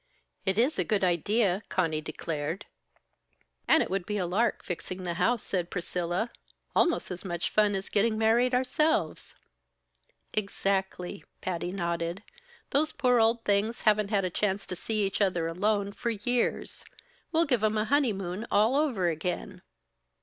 "It is a good idea!" Conny declared. "And it would be a lark, fixing the house," said Priscilla. "Almost as much fun as getting married ourselves." "Exactly," Patty nodded. "Those poor old things haven't had a chance to see each other alone for years. We'll give 'em a honeymoon all over again."